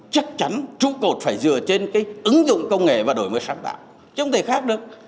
chắc chắn trụ cột phải dựa trên ứng dụng công nghệ và đổi mới sáng tạo chứ không thể khác được